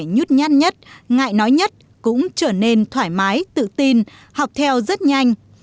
nhút nhát nhất ngại nói nhất cũng trở nên thoải mái tự tin học theo rất nhanh